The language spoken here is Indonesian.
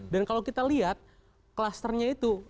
dan kalau kita lihat klusternya itu